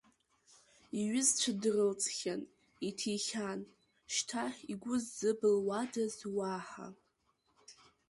Иҩызцәа дрылҵхьан, иҭихьан, шьҭа игәы ззыбылуадаз уаҳа…